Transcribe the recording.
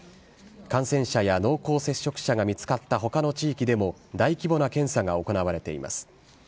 感染者や濃厚接触者が見つかったほかの地域でも、大規模な検査が行われています。